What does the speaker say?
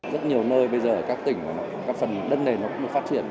rất nhiều nơi bây giờ ở các tỉnh các phần đất này nó cũng phát triển